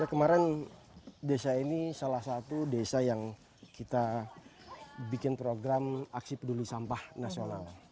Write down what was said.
kemarin desa ini salah satu desa yang kita bikin program aksi peduli sampah nasional